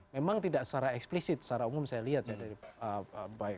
memang tidak secara eksplisit secara umum saya lihat ya